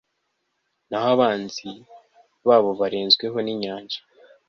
naho abanzi babo barenzweho n'inyanja